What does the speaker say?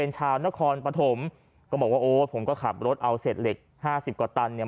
ชาวนครปฐมก็บอกว่าโอ้ผมก็ขับรถเอาเศษเหล็กห้าสิบกว่าตันเนี่ย